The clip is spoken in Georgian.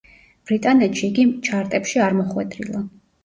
ბრიტანეთში იგი ჩარტებში არ მოხვედრილა.